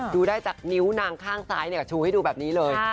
ดูได้จากนิ้วนางข้างซ้ายชูให้ดูแบบนี้เลย